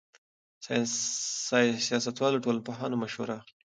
سیاستوال له ټولنپوهانو مشوره اخلي.